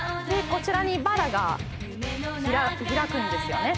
こちらにバラが開くんですよね